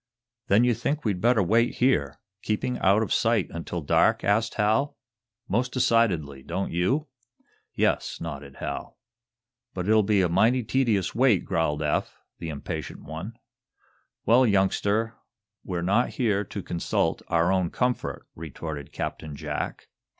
"Then you think we'd better wait here, keeping out of sight, until dark?" asked Hal. "Most decidedly. Don't you?" "Yes," nodded Hal. "But it'll be a mighty tedious wait," growled Eph, the impatient one. "Well, youngster, we're not here to consult our own comfort," retorted Captain Jack.